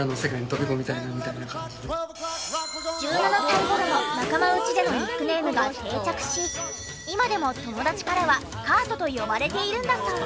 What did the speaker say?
１７歳頃の仲間内でのニックネームが定着し今でも友達からはカートと呼ばれているんだそう。